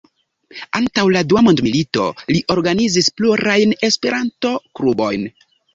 Antaŭ la dua mondmilito li organizis plurajn E-klubojn.